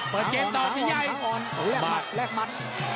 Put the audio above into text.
เปิดเกมต์ต่อผิดใหญ่ทางอ่อนทางอ่อนอุ้ยแลกมัดแลกมัด